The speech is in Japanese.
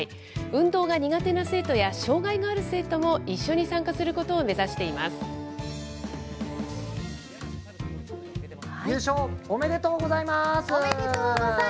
運動が苦手な生徒や障害のある生徒も一緒に参加することを目指し優勝、おめでとうございます。